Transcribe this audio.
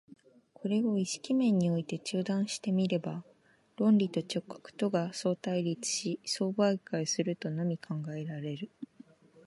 これを意識面において中断して見れば、論理と直覚とが相対立し相媒介するとのみ考えられる。